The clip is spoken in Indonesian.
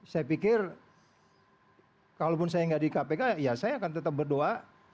saya pikir kalaupun saya nggak di kpk ya saya akan tetap berdoa